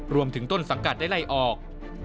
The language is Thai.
รวมถึงต้นสังกัดได้ไล่ออก